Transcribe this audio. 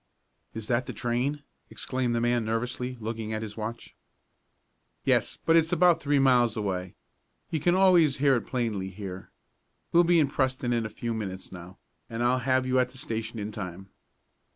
"Is that the train?" exclaimed the man nervously, looking at his watch. "Yes, but it's about three miles away. You can always hear it plainly here. We'll be in Preston in a few minutes now, and I'll have you at the station in time."